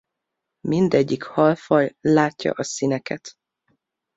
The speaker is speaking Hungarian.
Mindegyik halfaj látja a színeket.